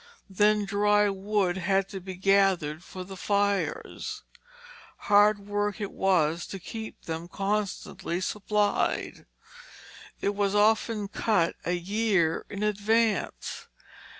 Then dry wood had to be gathered for the fires; hard work it was to keep them constantly supplied. It was often cut a year in advance.